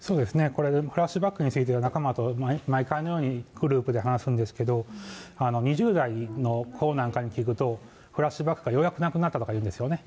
これ、フラッシュバックについては、仲間と毎回のようにグループで話すんですけど、２０代の子なんかに聞くと、フラッシュバックがようやくなくなったとか言うんですよね。